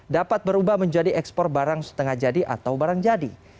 dapat berubah menjadi ekspor barang setengah jadi atau barang jadi